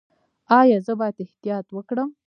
ایا زه باید احتیاط وکړم؟